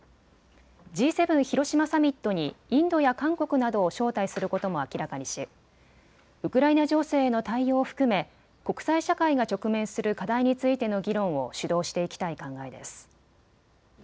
Ｇ７広島サミットにインドや韓国などを招待することも明らかにしウクライナ情勢への対応を含め国際社会が直面する課題についての議論を主導していきたい考えです。